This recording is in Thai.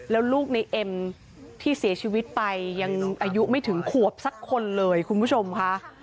แล้วลูกในเอ็มที่เสียชีวิตไปยังอายุไม่ถึงขวบสักคนเลยคุณผู้ชมค่ะ